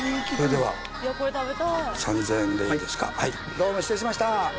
どうも失礼しました。